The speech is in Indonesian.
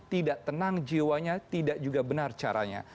tidak tenang jiwanya tidak juga benar caranya